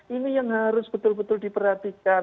ini yang harus betul betul diperhatikan